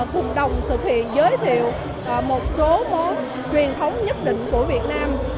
cùng đồng thực hiện giới thiệu một số món truyền thống nhất định của việt nam